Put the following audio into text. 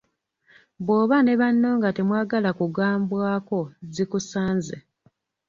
Bw'oba ne banno nga temwagala kugambwako zikusanze.